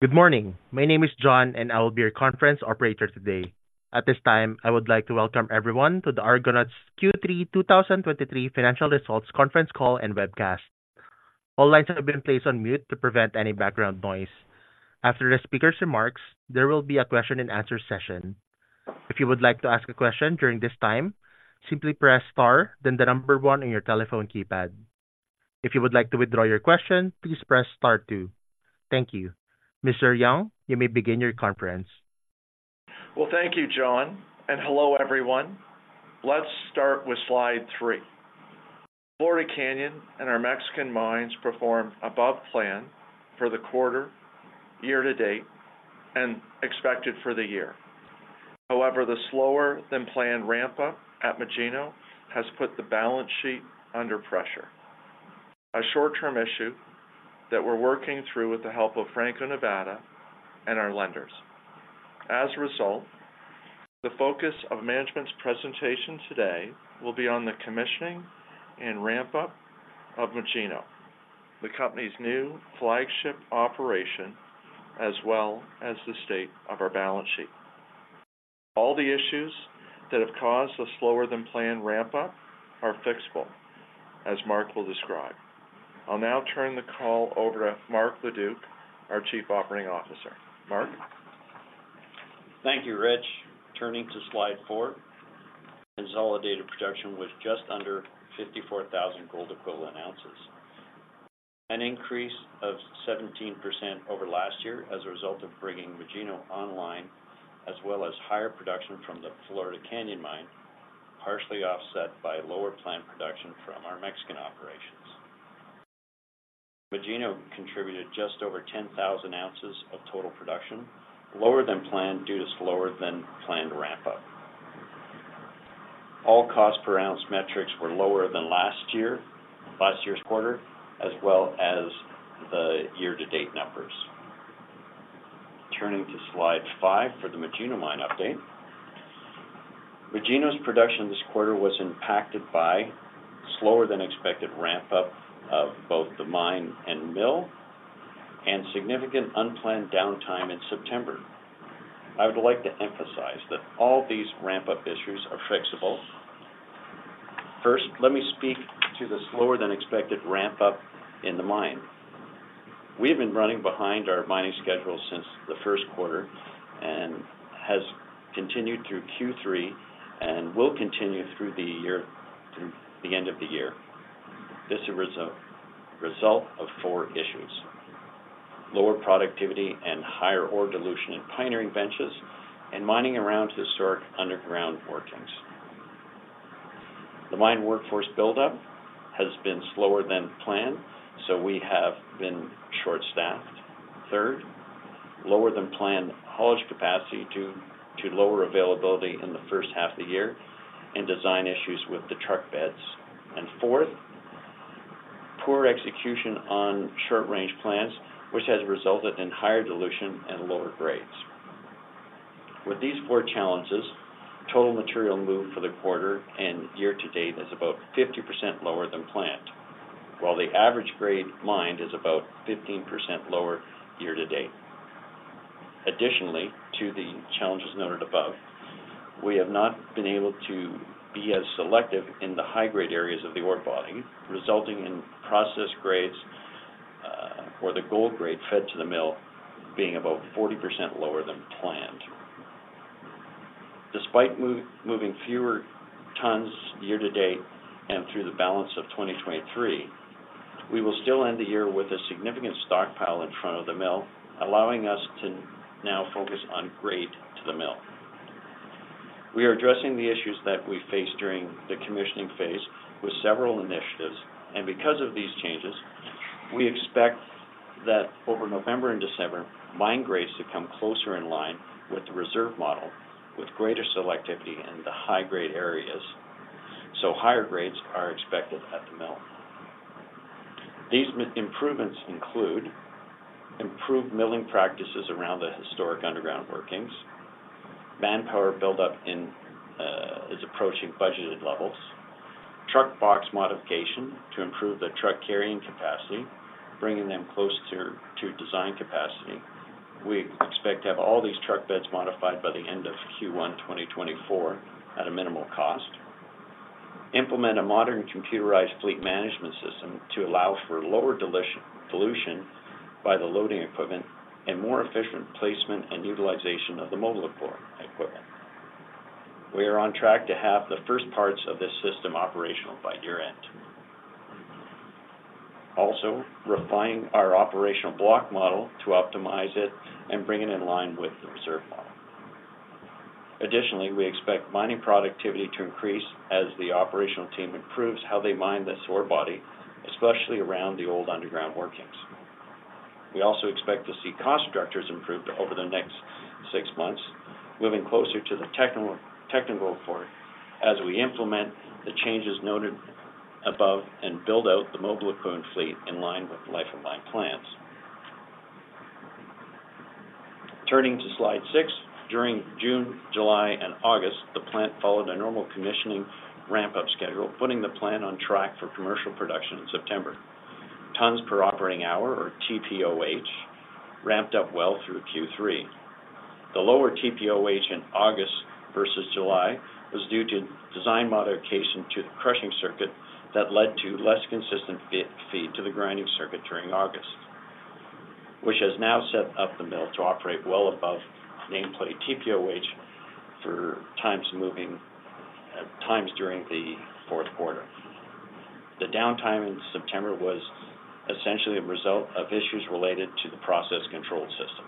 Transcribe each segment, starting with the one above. Good morning. My name is John, and I will be your conference operator today. At this time, I would like to welcome everyone to the Argonaut's Q3 2023 Financial Results Conference Call and Webcast. All lines have been placed on mute to prevent any background noise. After the speaker's remarks, there will be a question and answer session. If you would like to ask a question during this time, simply press Star, then the number one on your telephone keypad. If you would like to withdraw your question, please press Star two. Thank you. Mr. Young, you may begin your conference. Well, thank you, John, and hello, everyone. Let's start with Slide 3. Florida Canyon and our Mexican mines performed above plan for the quarter, year to date, and expected for the year. However, the slower than planned ramp-up at Magino has put the balance sheet under pressure, a short-term issue that we're working through with the help of Franco-Nevada and our lenders. As a result, the focus of management's presentation today will be on the commissioning and ramp-up of Magino, the company's new flagship operation, as well as the state of our balance sheet. All the issues that have caused a slower than planned ramp-up are fixable, as Marc will describe. I'll now turn the call over to Marc Leduc, our Chief Operating Officer. Marc? Thank you, Rich. Turning to Slide 4. Consolidated production was just under 54,000 gold equivalent ounces, an increase of 17% over last year as a result of bringing Magino online, as well as higher production from the Florida Canyon Mine, partially offset by lower plant production from our Mexican operations. Magino contributed just over 10,000 ounces of total production, lower than planned, due to slower than planned ramp-up. All costs per ounce metrics were lower than last year, last year's quarter, as well as the year-to-date numbers. Turning to Slide 5 for the Magino Mine update. Magino's production this quarter was impacted by slower than expected ramp-up of both the mine and mill, and significant unplanned downtime in September. I would like to emphasize that all these ramp-up issues are fixable. First, let me speak to the slower than expected ramp-up in the mine. We have been running behind our mining schedule since the first quarter and has continued through Q3 and will continue through the year, through the end of the year. This is a result of four issues: lower productivity and higher ore dilution in pioneering benches and mining around historic underground workings. The mine workforce buildup has been slower than planned, so we have been short-staffed. Third, lower than planned haulage capacity due to lower availability in the first half of the year and design issues with the truck beds. And fourth, poor execution on short-range plans, which has resulted in higher dilution and lower grades. With these four challenges, total material moved for the quarter and year to date is about 50% lower than planned, while the average grade mined is about 15% lower year to date. Additionally, to the challenges noted above, we have not been able to be as selective in the high-grade areas of the ore body, resulting in processed grades, or the gold grade fed to the mill being about 40% lower than planned. Despite moving fewer tons year to date and through the balance of 2023, we will still end the year with a significant stockpile in front of the mill, allowing us to now focus on grade to the mill. We are addressing the issues that we faced during the commissioning phase with several initiatives, and because of these changes, we expect that over November and December, mine grades to come closer in line with the reserve model, with greater selectivity in the high-grade areas, so higher grades are expected at the mill. These improvements include: improved milling practices around the historic underground workings. Manpower buildup in is approaching budgeted levels. Truck box modification to improve the truck carrying capacity, bringing them closer to design capacity. We expect to have all these truck beds modified by the end of Q1 2024 at a minimal cost. Implement a modern computerized fleet management system to allow for lower dilution by the loading equipment and more efficient placement and utilization of the mobile equipment. We are on track to have the first parts of this system operational by year-end. Also, refine our operational block model to optimize it and bring it in line with the reserve model. Additionally, we expect mining productivity to increase as the operational team improves how they mine this ore body, especially around the old underground workings. We also expect to see cost structures improved over the next six months, moving closer to the technical, technical report as we implement the changes noted above and build out the mobile equipment fleet in line with life of mine plans. Turning to Slide 6. During June, July, and August, the plant followed a normal commissioning ramp-up schedule, putting the plant on track for commercial production in September. Tons per operating hour, or TPOH, ramped up well through Q3. The lower TPOH in August versus July was due to design modification to the crushing circuit that led to less consistent fine feed to the grinding circuit during August, which has now set up the mill to operate well above nameplate TPOH for times moving, times during the fourth quarter. The downtime in September was essentially a result of issues related to the process control system.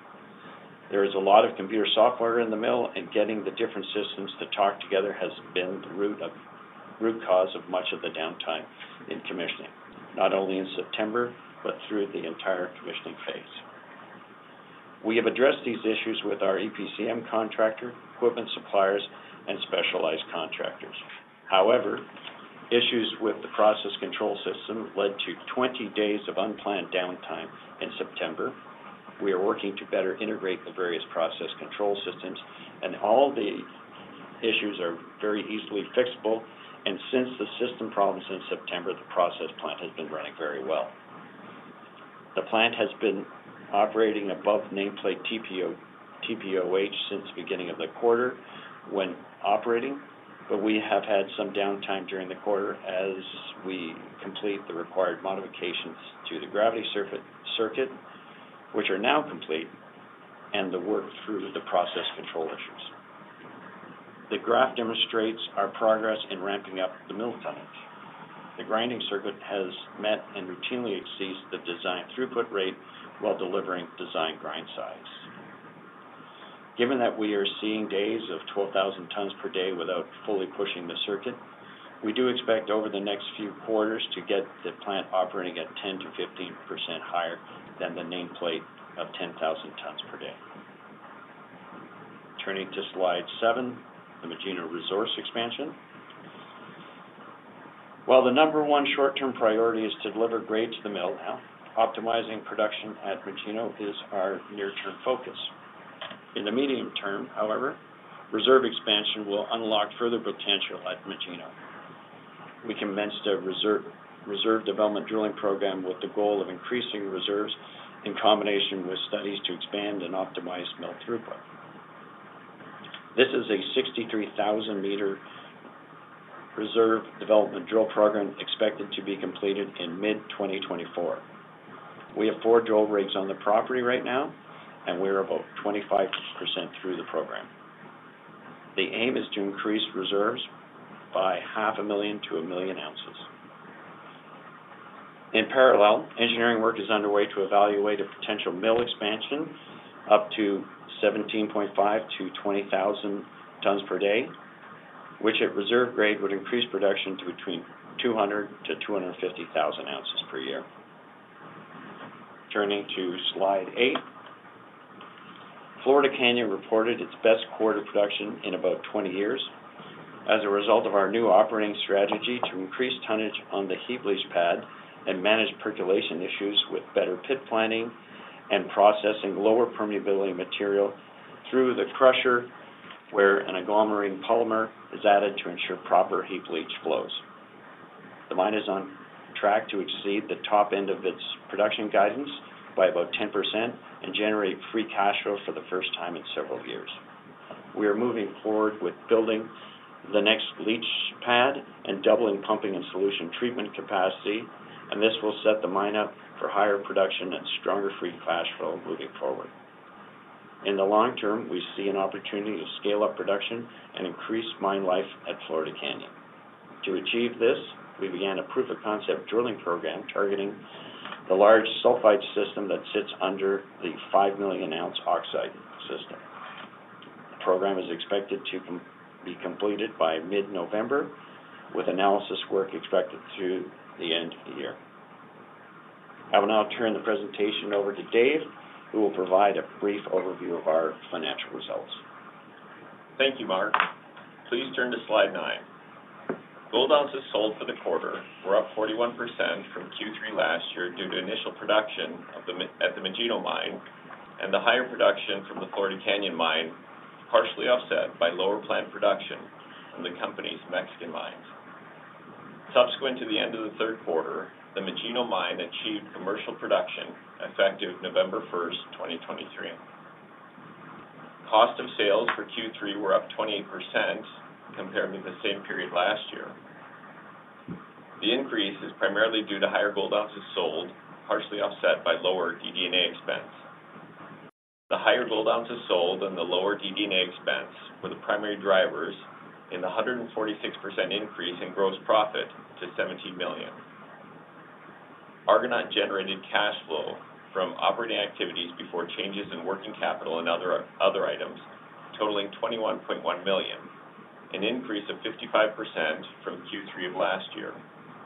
There is a lot of computer software in the mill, and getting the different systems to talk together has been the root cause of much of the downtime in commissioning, not only in September, but through the entire commissioning phase. We have addressed these issues with our EPCM contractor, equipment suppliers, and specialized contractors. However, issues with the process control system led to 20 days of unplanned downtime in September. We are working to better integrate the various process control systems, and all the issues are very easily fixable, and since the system problems in September, the process plant has been running very well. The plant has been operating above nameplate TPOH since the beginning of the quarter when operating, but we have had some downtime during the quarter as we complete the required modifications to the gravity circuit, which are now complete, and working through the process control issues. The graph demonstrates our progress in ramping up the mill tonnage. The grinding circuit has met and routinely exceeds the design throughput rate while delivering design grind size. Given that we are seeing days of 12,000 tons per day without fully pushing the circuit, we do expect over the next few quarters to get the plant operating at 10%-15% higher than the nameplate of 10,000 tons per day. Turning to Slide 7, the Magino Resource Expansion. While the number one short-term priority is to deliver grade to the mill, now, optimizing production at Magino is our near-term focus. In the medium term, however, reserve expansion will unlock further potential at Magino. We commenced a reserve development drilling program with the goal of increasing reserves in combination with studies to expand and optimize mill throughput. This is a 63,000-meter reserve development drill program, expected to be completed in mid-2024. We have four drill rigs on the property right now, and we're about 25% through the program. The aim is to increase reserves by 500,000-1,000,000 ounces. In parallel, engineering work is underway to evaluate a potential mill expansion up to 17.5-20,000 tons per day, which at reserve grade, would increase production to between 200,000-250,000 ounces per year. Turning to Slide 8, Florida Canyon reported its best quarter production in about 20 years as a result of our new operating strategy to increase tonnage on the heap leach pad and manage percolation issues with better pit planning and processing lower permeability material through the crusher, where an agglomerating polymer is added to ensure proper heap leach flows. The mine is on track to exceed the top end of its production guidance by about 10% and generate free cash flow for the first time in several years. We are moving forward with building the next leach pad and doubling pumping and solution treatment capacity, and this will set the mine up for higher production and stronger free cash flow moving forward. In the long term, we see an opportunity to scale up production and increase mine life at Florida Canyon. To achieve this, we began a proof-of-concept drilling program, targeting the large sulfide system that sits under the 5 million ounce oxide system. The program is expected to be completed by mid-November, with analysis work expected through the end of the year. I will now turn the presentation over to Dave, who will provide a brief overview of our financial results. Thank you, Marc. Please turn to Slide 9. Gold ounces sold for the quarter were up 41% from Q3 last year due to initial production at the Magino Mine and the higher production from the Florida Canyon Mine, partially offset by lower plant production from the company's Mexican mines. Subsequent to the end of the third quarter, the Magino Mine achieved commercial production effective November 1, 2023. Cost of sales for Q3 were up 28% compared to the same period last year. The increase is primarily due to higher gold ounces sold, partially offset by lower DD&A expense. The higher gold ounces sold and the lower DD&A expense were the primary drivers in the 146% increase in gross profit to 17 million. Argonaut generated cash flow from operating activities before changes in working capital and other items totaling 21.1 million, an increase of 55% from Q3 of last year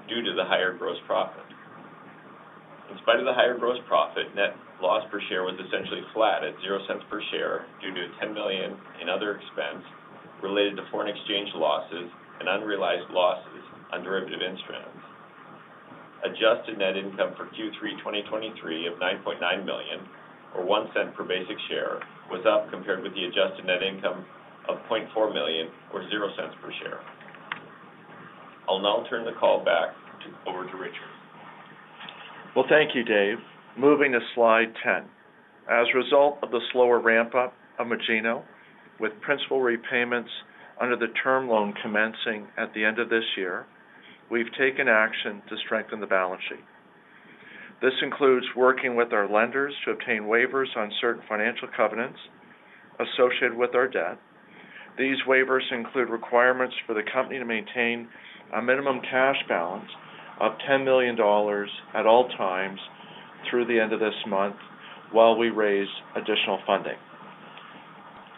due to the higher gross profit. In spite of the higher gross profit, net loss per share was essentially flat at 0.00 per share, due to 10 million in other expense related to foreign exchange losses and unrealized losses on derivative instruments. Adjusted net income for Q3 2023 of 9.9 million, or 0.01 per basic share, was up compared with the adjusted net income of 0.4 million, or 0.00 per share. I'll now turn the call back over to Richard. Well, thank you, Dave. Moving to Slide 10. As a result of the slower ramp-up of Magino, with principal repayments under the term loan commencing at the end of this year, we've taken action to strengthen the balance sheet. This includes working with our lenders to obtain waivers on certain financial covenants associated with our debt. These waivers include requirements for the company to maintain a minimum cash balance of $10 million at all times through the end of this month, while we raise additional funding.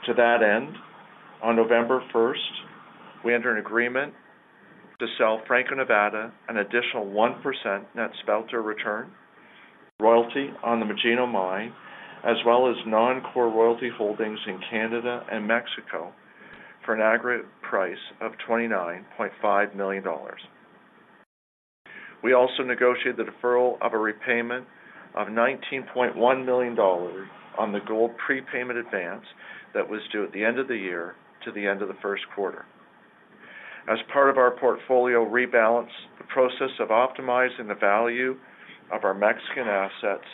To that end, on November 1, we entered an agreement to sell Franco-Nevada an additional 1% net smelter return royalty on the Magino Mine, as well as non-core royalty holdings in Canada and Mexico for an aggregate price of $29.5 million. We also negotiated the deferral of a repayment of $19.1 million on the gold prepayment advance that was due at the end of the year to the end of the first quarter. As part of our portfolio rebalance, the process of optimizing the value of our Mexican assets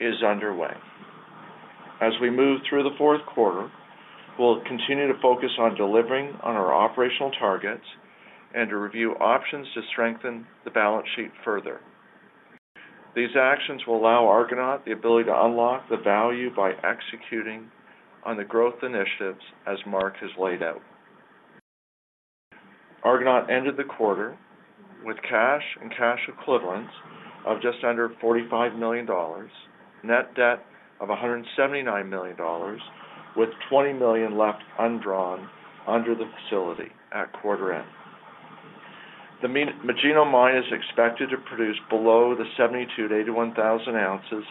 is underway. As we move through the fourth quarter, we'll continue to focus on delivering on our operational targets and to review options to strengthen the balance sheet further. These actions will allow Argonaut the ability to unlock the value by executing on the growth initiatives, as Marc has laid out. Argonaut ended the quarter with cash and cash equivalents of just under $45 million, net debt of $179 million, with $20 million left undrawn under the facility at quarter end. The Magino Mine is expected to produce below the 72,000-81,000 ounces,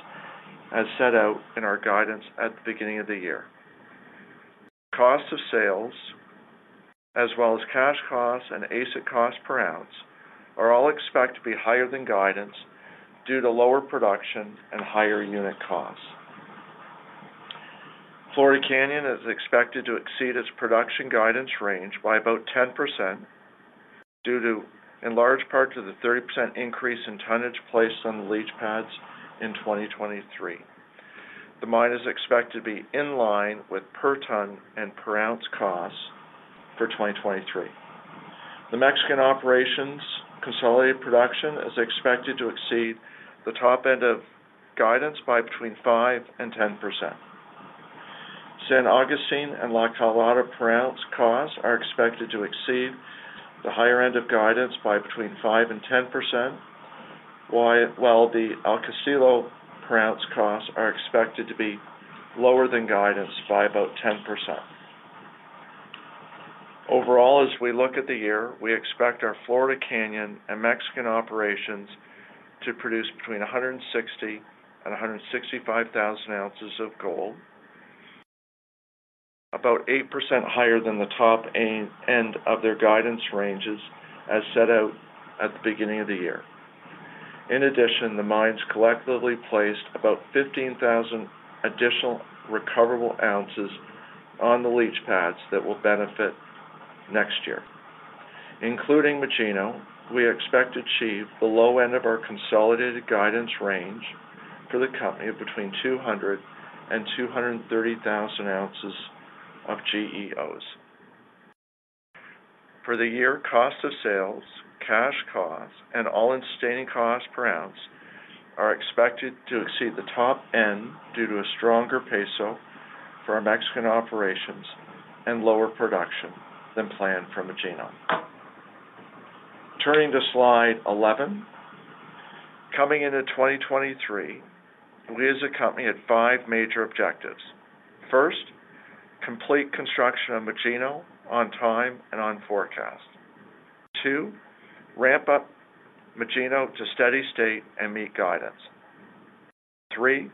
as set out in our guidance at the beginning of the year. Cost of sales, as well as cash costs and AISC costs per ounce, are all expected to be higher than guidance due to lower production and higher unit costs. Florida Canyon is expected to exceed its production guidance range by about 10% due to, in large part, to the 30% increase in tonnage placed on the leach pads in 2023. The mine is expected to be in line with per ton and per ounce costs for 2023. The Mexican operations' consolidated production is expected to exceed the top end of guidance by between 5% and 10%. San Agustin and La Colorada per-ounce costs are expected to exceed the higher end of guidance by between 5% and 10%, while the El Castillo per-ounce costs are expected to be lower than guidance by about 10%. Overall, as we look at the year, we expect our Florida Canyon and Mexican operations to produce between 160,000 and 165,000 ounces of gold, about 8% higher than the top end of their guidance ranges as set out at the beginning of the year. In addition, the mines collectively placed about 15,000 additional recoverable ounces on the leach pads that will benefit next year. Including Magino, we expect to achieve the low end of our consolidated guidance range for the company of between 200,000 and 230,000 ounces of GEOs. For the year, cost of sales, cash costs, and all-in sustaining costs per ounce are expected to exceed the top end due to a stronger peso for our Mexican operations and lower production than planned from Magino. Turning to Slide 11. Coming into 2023, we, as a company, had five major objectives. First, complete construction of Magino on time and on forecast. Two, ramp up Magino to steady state and meet guidance. Three,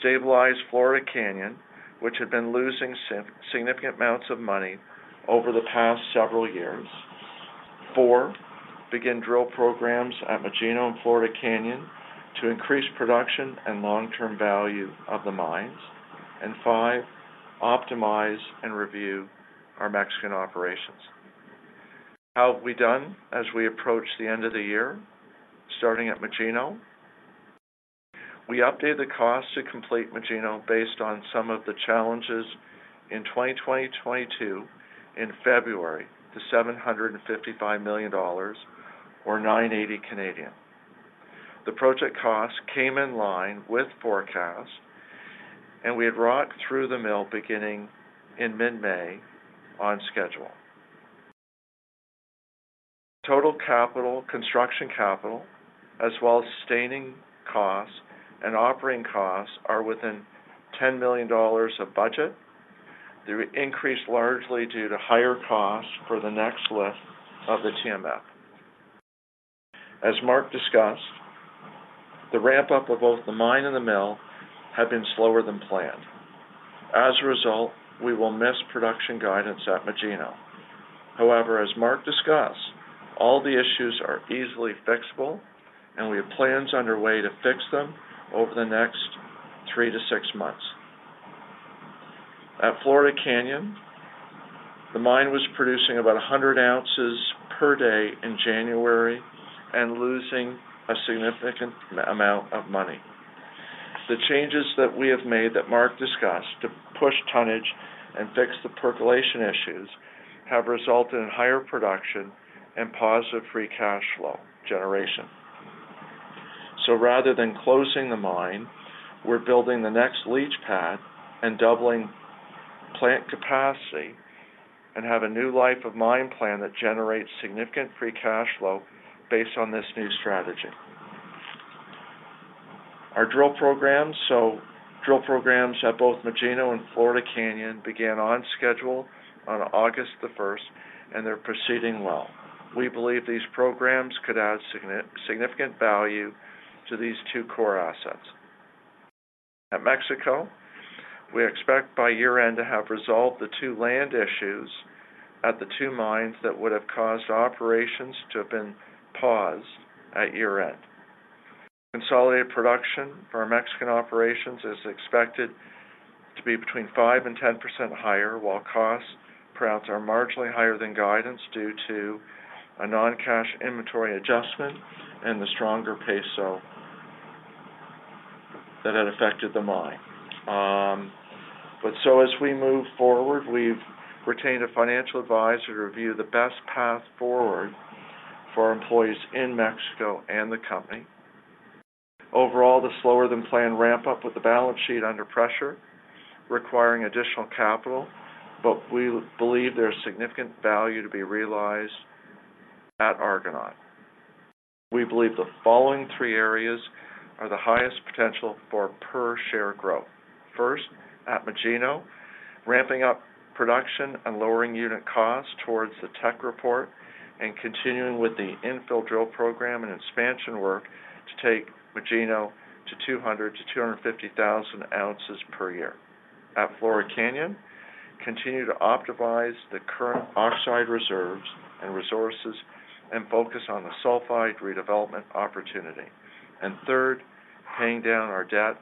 stabilize Florida Canyon, which had been losing significant amounts of money over the past several years. Four, begin drill programs at Magino and Florida Canyon to increase production and long-term value of the mines. And five, optimize and review our Mexican operations. How have we done as we approach the end of the year? Starting at Magino, we updated the cost to complete Magino based on some of the challenges in 2022 in February to $755 million, or 980 million. The project costs came in line with forecast, and we had rock through the mill beginning in mid-May on schedule. Total capital, construction capital, as well as sustaining costs and operating costs, are within $10 million of budget. They increased largely due to higher costs for the next lift of the TMF. As Marc discussed—the ramp up of both the mine and the mill have been slower than planned. As a result, we will miss production guidance at Magino. However, as Marc discussed, all the issues are easily fixable, and we have plans underway to fix them over the next three-six months. At Florida Canyon, the mine was producing about 100 ounces per day in January and losing a significant amount of money. The changes that we have made, that Marc discussed, to push tonnage and fix the percolation issues, have resulted in higher production and positive free cash flow generation. So rather than closing the mine, we're building the next leach pad and doubling plant capacity, and have a new life of mine plan that generates significant free cash flow based on this new strategy. Our drill programs. So drill programs at both Magino and Florida Canyon began on schedule on August the first, and they're proceeding well. We believe these programs could add significant value to these two core assets. At Mexico, we expect by year-end to have resolved the two land issues at the two mines that would have caused operations to have been paused at year-end. Consolidated production for our Mexican operations is expected to be between 5% and 10% higher, while costs perhaps are marginally higher than guidance due to a non-cash inventory adjustment and the stronger peso that had affected the mine. But so as we move forward, we've retained a financial advisor to review the best path forward for our employees in Mexico and the company. Overall, the slower than planned ramp up, with the balance sheet under pressure, requiring additional capital, but we believe there's significant value to be realized at Argonaut. We believe the following three areas are the highest potential for per share growth. First, at Magino, ramping up production and lowering unit costs towards the tech report and continuing with the infill drill program and expansion work to take Magino to 200,000-250,000 ounces per year. At Florida Canyon, continue to optimize the current oxide reserves and resources, and focus on the sulfide redevelopment opportunity. And third, paying down our debt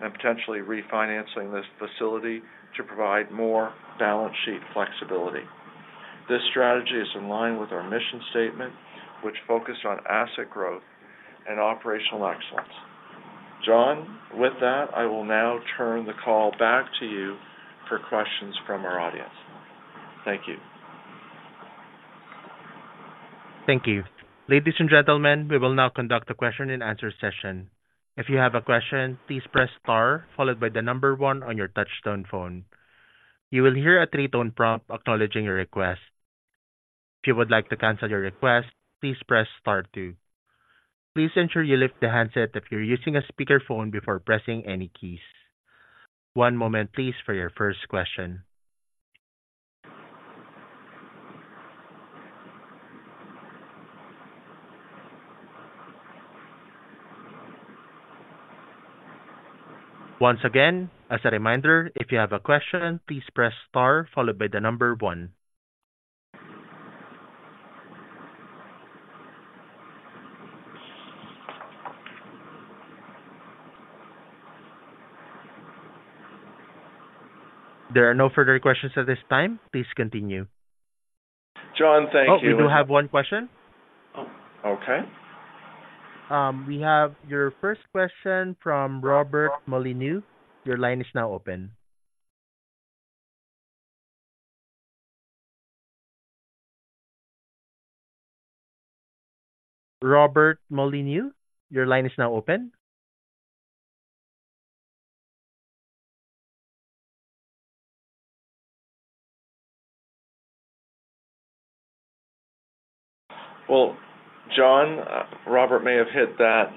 and potentially refinancing this facility to provide more balance sheet flexibility. This strategy is in line with our mission statement, which focused on asset growth and operational excellence. John, with that, I will now turn the call back to you for questions from our audience. Thank you. Thank you. Ladies and gentlemen, we will now conduct a question and answer session. If you have a question, please press star followed by the number one on your touchtone phone. You will hear a three-tone prompt acknowledging your request. If you would like to cancel your request, please press star two. Please ensure you lift the handset if you're using a speakerphone before pressing any keys. One moment please for your first question. Once again, as a reminder, if you have a question, please press star followed by the number one. There are no further questions at this time. Please continue. John, thank you. Oh, we do have one question. Oh, okay. We have your first question from Robert Molyneux. Your line is now open. Robert Molyneux, your line is now open. Well, John, Robert may have hit that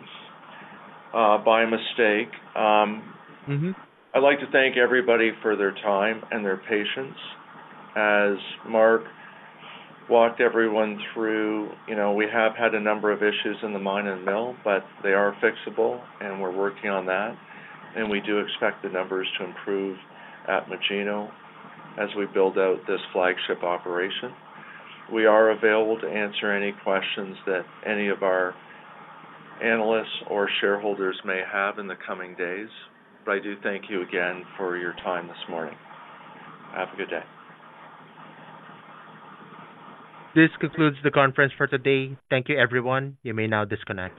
by mistake. Mm-hmm. I'd like to thank everybody for their time and their patience. As Marc walked everyone through, you know, we have had a number of issues in the mine and mill, but they are fixable, and we're working on that, and we do expect the numbers to improve at Magino as we build out this flagship operation. We are available to answer any questions that any of our analysts or shareholders may have in the coming days. But I do thank you again for your time this morning. Have a good day. This concludes the conference for today. Thank you, everyone. You may now disconnect.